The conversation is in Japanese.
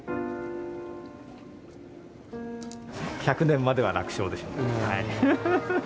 １００年までは楽勝でしょう。